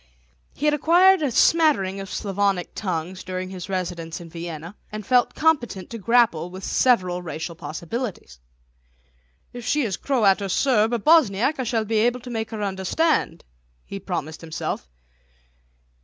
He had acquired a smattering of Slavonic tongues during his residence in Vienna, and felt competent to grapple with several racial possibilities. "If she is Croat or Serb or Bosniak I shall be able to make her understand," he promised himself.